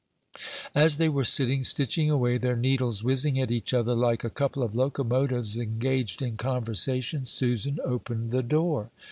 As they were sitting, stitching away, their needles whizzing at each other like a couple of locomotives engaged in conversation, Susan opened the door.